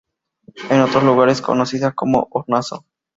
En otros lugares conocida como hornazo.